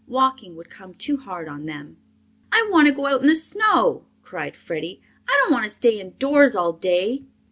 Walking would come too hard on them." "I want to go out in the snow!" cried Freddie. "I don't want to stay indoors all day."